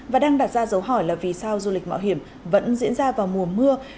và đang đặt ra dấu hỏi là vì sao du lịch mạo hiểm vẫn diễn ra vào mùa mưa